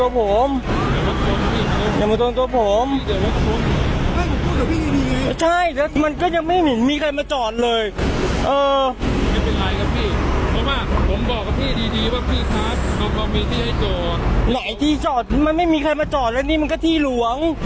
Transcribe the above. พี่ก็บอกว่าพี่สำคมีที่ให้เจาะหลายที่จอดนี่มันไม่มีใครมาจอดแล้วนี่มันก็ที่หลวง